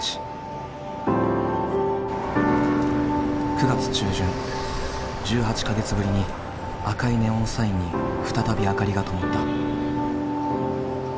９月中旬１８か月ぶりに赤いネオンサインに再び明かりが灯った。